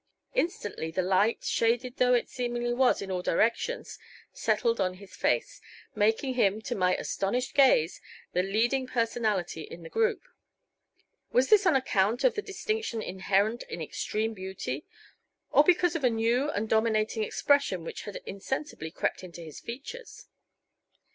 Instantly the light, shaded though it seemingly was in all directions, settled on his face, making him, to my astonished gaze, the leading personality in the group. Was this on account of the distinction inherent in extreme beauty or because of a new and dominating expression which had insensibly crept into his features?